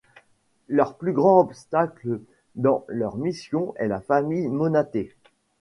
Leur plus grand obstacle dans leur mission est la famille Monaté.